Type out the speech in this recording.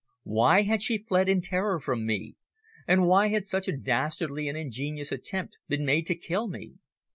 Why had she fled in terror from me, and why had such a dastardly and ingenious attempt been made to kill me?